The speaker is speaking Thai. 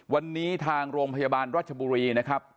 วันนี้ทางโรงพยาบาลรัชบุรีนะครับ